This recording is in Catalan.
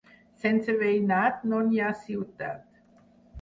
Sense veïnat no hi ha ciutat.